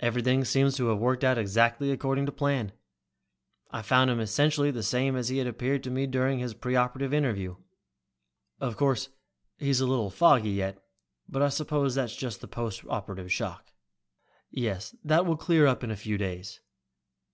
Everything seems to have worked out exactly according to plan. I found him essentially the same as he appeared to me during his pre operative interview. Of course he's a little foggy yet, but I suppose that's just the post operative shock." "Yes, that will clear up in a few days."